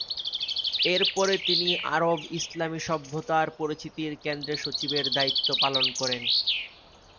এরপরে তিনি আরব-ইসলামী সভ্যতার পরিচিতির কেন্দ্রে সচিবের দায়িত্ব পালন করেন।